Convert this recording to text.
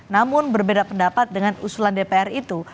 namun berbeda pendapat dengan usulan dpr itu